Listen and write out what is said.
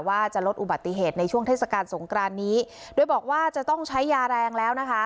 ว่าจะลดอุบัติเหตุในช่วงเทศกาลสงครานนี้โดยบอกว่าจะต้องใช้ยาแรงแล้วนะคะ